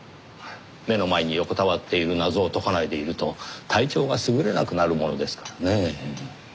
目の前に横たわっている謎を解かないでいると体調が優れなくなるものですからねぇ。